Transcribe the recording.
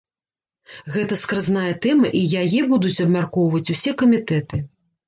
Гэта скразная тэма, і яе будуць абмяркоўваць усе камітэты.